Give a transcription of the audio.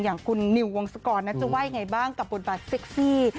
อย่างคุณนิววงศกรจะว่ายังไงบ้างกับบทบาทเซ็กซี่